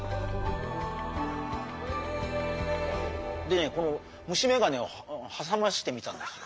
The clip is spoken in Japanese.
でねこの虫めがねをはさませてみたんですよ。